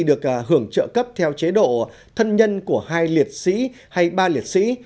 được hưởng trợ cấp theo chế độ thân nhân của hai liệt sĩ hay ba liệt sĩ